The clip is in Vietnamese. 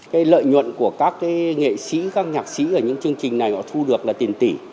cái lợi nhuận của các cái nghệ sĩ các nhạc sĩ ở những chương trình này có thu được là tiền tỷ